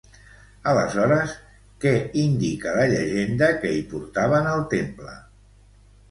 Aleshores, què indica la llegenda que hi portaven al temple?